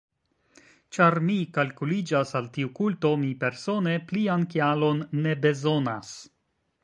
Ĉar mi kalkuliĝas al tiu kulto, mi persone plian kialon ne bezonas.